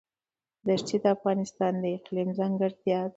دښتې د افغانستان د اقلیم ځانګړتیا ده.